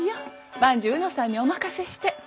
万事卯之さんにお任せして。